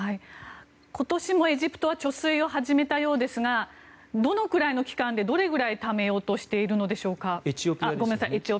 今年もエジプトは貯水を始めたようですがどのくらいの期間でどれぐらい貯めようとしているのでしょうか。